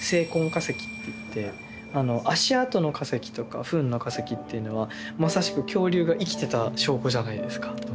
化石っていって足跡の化石とかフンの化石っていうのはまさしく恐竜が生きてた証拠じゃないですか。